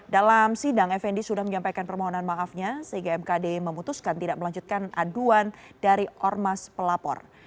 dalam sidang effendi sudah menyampaikan permohonan maafnya sehingga mkd memutuskan tidak melanjutkan aduan dari ormas pelapor